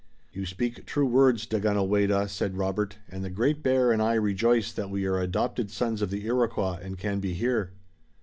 "You speak true words, Daganoweda," said Robert, "and the Great Bear and I rejoice that we are adopted sons of the Iroquois and can be here."